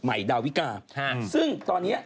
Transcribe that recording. ดาวิกาซึ่งตอนนี้